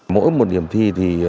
mỗi một điểm thi